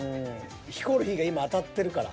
ヒコロヒーが今当たってるから。